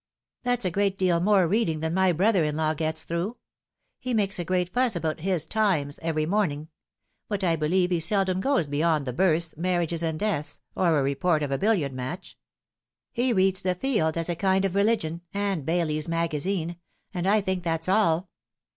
" That's a great deal more reading than my brother in law gets through. He makes a great fuss about his Times every morning ; but I believe he seldom goes beyond the births, marriages, and deaths, or a report of a billiard match. He reads the Field, as a kind of religion, and Daily's Magazine / and I think that's all."